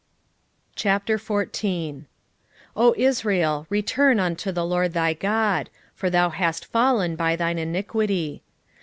14:1 O israel, return unto the LORD thy God; for thou hast fallen by thine iniquity.